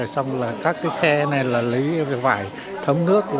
xong rồi các cái khe này là lấy vải thấm nước